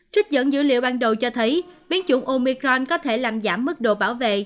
trích dẫn dữ liệu ban đầu cho thấy biến chủng omicron có thể làm giảm mức độ bảo vệ